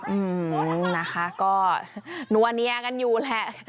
อืมนะคะก็นัวเนียกันอยู่แหละ